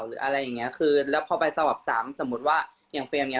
หรืออะไรอย่างนี้คือแล้วพอไปสวัสดิ์ซ้ำสมมุติว่าอย่างเฟรมเนี่ย